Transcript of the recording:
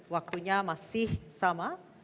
waktunya masih sama